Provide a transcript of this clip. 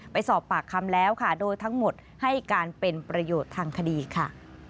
ไปสอบปากคำแล้วค่ะโดยทั้งหมดให้การเป็นประโยชน์ทางคดีค่ะ